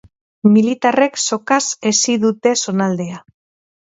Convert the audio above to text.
Militarrek sokaz hesi dute zonaldea.